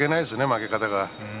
負け方が。